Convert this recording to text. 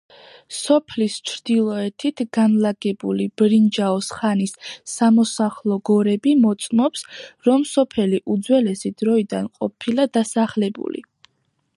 სოფლის ჩრდილოეთით განლაგებული ბრინჯაოს ხანის სამოსახლო გორები მოწმობს, რომ სოფელი უძველესი დროიდან ყოფილა დასახლებული.